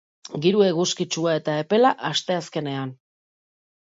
Giro eguzkitsua eta epela asteazkenean.